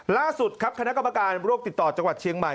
ล่าสุดครับคณะกรรมการโรคติดต่อจังหวัดเชียงใหม่